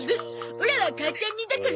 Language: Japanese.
オラは母ちゃん似だから。